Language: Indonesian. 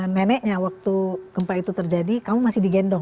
neneknya waktu gempa itu terjadi kamu masih digendong